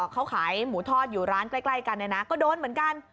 เขาขายหมูทอดอยู่ร้านใกล้กันเนี่ยนะก็โดนเหมือนกัน